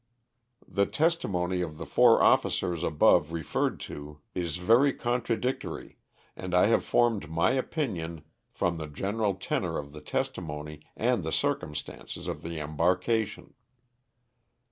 The testimony of the four officers above referred to is very 3 18 ivOSS OF THE SULTANA. contradictory, and I have formed my opinion from the gen eral tenor of the testimonj' and the circumstances of the em barkation.